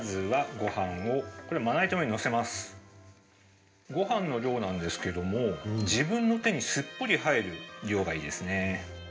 ごはんの量なんですけども自分の手にすっぽり入る量がいいですね。